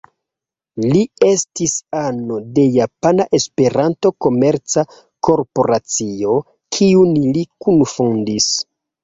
Li estis ano de Japana Esperanta Komerca Korporacio, kiun li kunfondis.